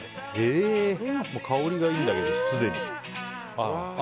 香りがいいんだけど、すでに。